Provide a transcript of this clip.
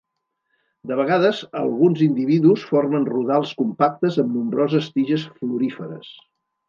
De vegades, alguns individus formen rodals compactes amb nombroses tiges floríferes.